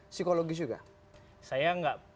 psikologis juga saya gak